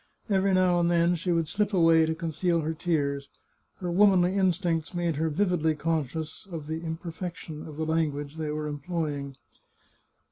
Every now and then she would slip away to conceal her tears. Her womanly instincts made her vividly conscious of the imper fection of the language they were employing.